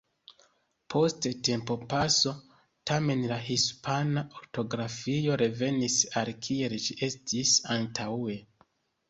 Post tempopaso, tamen, la hispana ortografio revenis al kiel ĝi estis antaŭe.